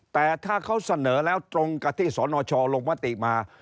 แต่ถ้าเขาเสนอแล้วตรงกับที่สนชลงมติมา